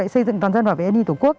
xây dựng toàn dân và vni tổ quốc